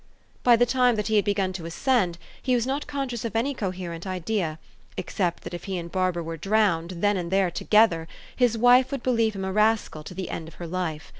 By the time that he had begun to ascend, he was not conscious of any coherent idea, except that, if he and Barbara were drowned, then and there, together, his wife would believe him a rascal to the end of her life.